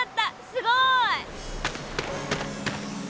すごい！